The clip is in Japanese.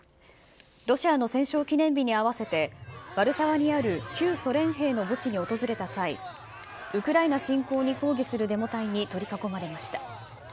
ロシアの戦勝記念日に合わせて、ワルシャワにある旧ソ連兵の墓地に訪れた際、ウクライナ侵攻に抗議するデモ隊に取り囲まれました。